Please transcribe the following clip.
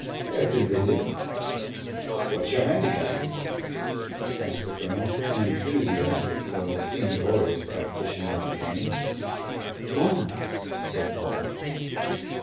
"Fair to middling." "What's your handicap?" asked the Colonel, an enthusiastic though inglorious practitioner of the game. "One," said Paul.